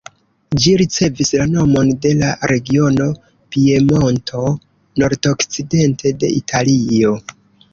Ĝi ricevis la nomon de la regiono Piemonto, nordokcidente de Italio.